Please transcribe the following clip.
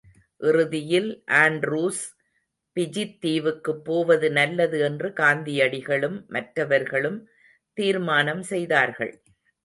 இறுதியில், ஆண்ட்ரூஸ் பிஜித் தீவுக்கு போவது நல்லது என்று காந்தியடிகளும் மற்றவர்களும் தீர்மானம் செய்தார்கள்.